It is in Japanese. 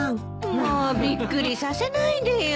もうびっくりさせないでよ。